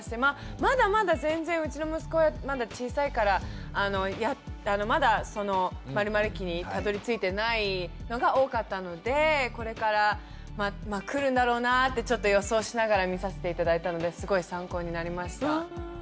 まだまだ全然うちの息子はまだ小さいからまだその○○期にたどりついてないのが多かったのでこれから来るんだろうなぁってちょっと予想しながら見さして頂いたのですごい参考になりました。